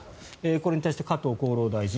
これに対して加藤厚生労働大臣。